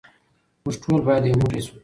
موږ ټول باید یو موټی شو.